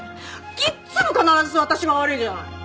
いっつも必ず私が悪いじゃない！